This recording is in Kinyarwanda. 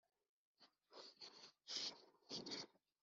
ibitwenge byumvikana muri salle.